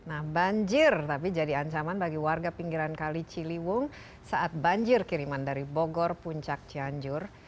nah banjir tapi jadi ancaman bagi warga pinggiran kali ciliwung saat banjir kiriman dari bogor puncak cianjur